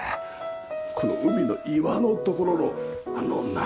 この海の岩の所のあの波。